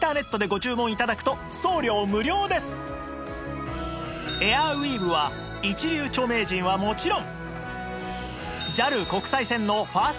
さらにエアウィーヴは一流著名人はもちろん